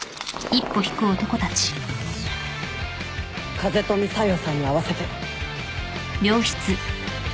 風富小夜さんに会わせて。